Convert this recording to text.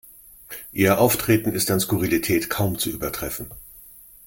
Ihr Auftreten ist an Skurrilität kaum zu übertreffen.